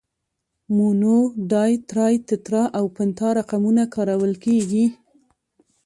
مونو، ډای، ترای، تترا او پنتا رقمونه کارول کیږي.